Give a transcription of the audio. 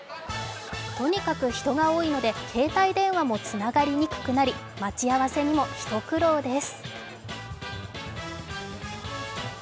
とにかく人が多いので携帯電話もつながりにくくなり待ち合わせにも一苦労です。